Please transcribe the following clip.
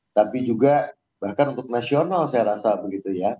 tapi juga bahkan untuk nasional saya rasa begitu ya